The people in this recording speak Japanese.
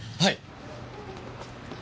はい。